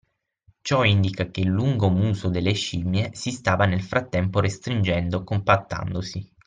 Ciò indica che il lungo muso delle scimmie si stava nel frattempo restringendo compattandosi